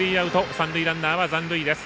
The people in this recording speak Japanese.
三塁ランナーは残塁です。